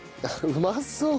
うまそう。